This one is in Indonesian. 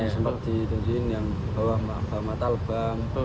seperti itu yang bawah mata lebang